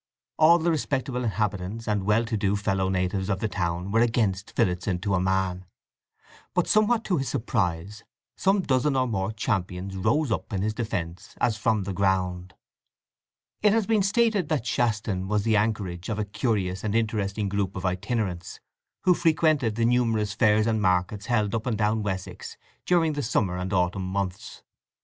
All the respectable inhabitants and well to do fellow natives of the town were against Phillotson to a man. But, somewhat to his surprise, some dozen or more champions rose up in his defence as from the ground. It has been stated that Shaston was the anchorage of a curious and interesting group of itinerants, who frequented the numerous fairs and markets held up and down Wessex during the summer and autumn months.